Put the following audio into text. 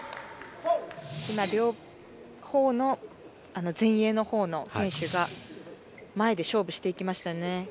今、両方の前衛のほうの選手が前で勝負していきましたね。